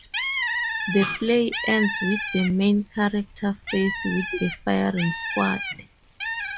The play ends with the main character faced with a firing squad.